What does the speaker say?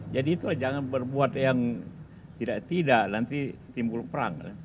jadi itu jangan berbuat yang tidak tidak nanti timbul perang